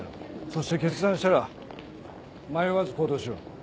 そして決断したら迷わず行動しろ。